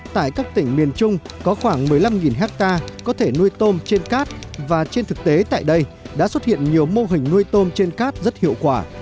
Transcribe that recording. tại các tỉnh miền trung có khoảng một mươi năm hectare có thể nuôi tôm trên cát và trên thực tế tại đây đã xuất hiện nhiều mô hình nuôi tôm trên cát rất hiệu quả